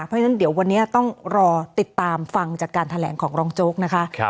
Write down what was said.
เพราะฉะนั้นเดี๋ยววันนี้ต้องรอติดตามฟังจากการแถลงของรองโจ๊กนะคะ